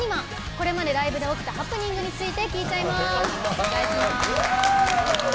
これまでライブで起きたハプニングについて聞いちゃいます。